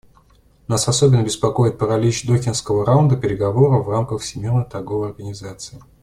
Нас особенно беспокоит паралич Дохинского раунда переговоров в рамках Всемирной торговой организации.